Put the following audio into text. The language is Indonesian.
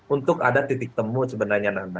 untuk ada titik temu sebenarnya